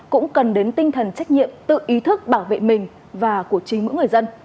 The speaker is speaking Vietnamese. cũng cần đến tinh thần trách nhiệm tự ý thức bảo vệ mình và của chính mỗi người dân